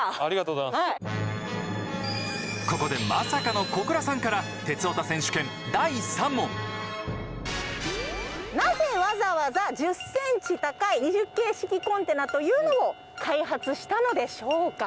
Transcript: ここでまさかの小倉さんからなぜわざわざ１０センチ高い２０形式コンテナというのを開発したのでしょうか？